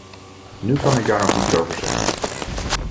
Nu kan ik daar nog niets over zeggen.